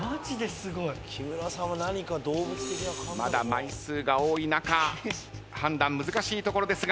まだ枚数が多い中判断難しいところですが。